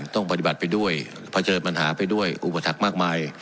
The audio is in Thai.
ต้องปฏิบัติไปด้วยเผชิญปัญหาไปด้วยอุปถัมภมากมาย